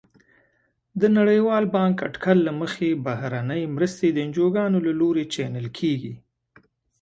د نړیوال بانک اټکل له مخې بهرنۍ مرستې د انجوګانو له لوري چینل کیږي.